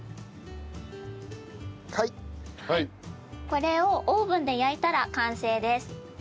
これをオーブンで焼いたら完成です。